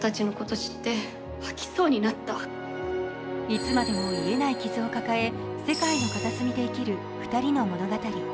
いつまでもいえない傷を抱え世界の片隅で生きる２人の物語。